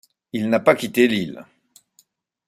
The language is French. Il n’a pas quitté l’île!